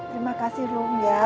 terima kasih rumah